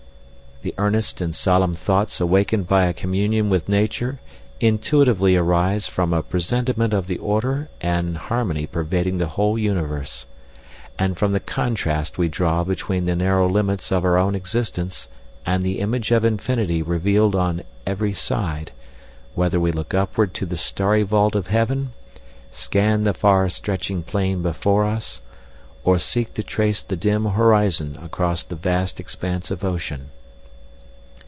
The earnest and solemn thoughts awakened by a communion with nature intuitively arise from a presentiment of the order and harmony pervading the whole universe, and from the contrast we draw between the narrow limits of our own existence and the image of infinity revealed on every side, whether we look upward to the starry vault of heaven, scan the far stretching plain before us, or seek to trace the dim horizon across the vast expanse of ocean.